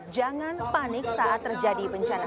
jangan panik saat terjadi bencana